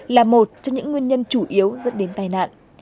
là một trong những nguyên nhân chủ yếu dẫn đến tai nạn